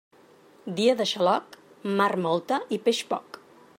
Dia de xaloc, mar molta i peix poc.